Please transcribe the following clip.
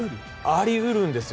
あり得るんですよ。